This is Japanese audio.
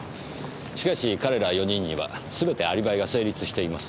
しかし彼ら４人にはすべてアリバイが成立しています。